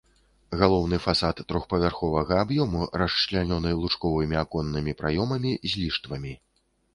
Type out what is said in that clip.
Галоўны фасад трохпавярховага аб'ёму расчлянёны лучковымі аконнымі праёмамі з ліштвамі.